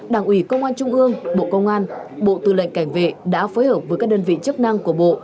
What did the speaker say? đảng ủy công an trung ương bộ công an bộ tư lệnh cảnh vệ đã phối hợp với các đơn vị chức năng của bộ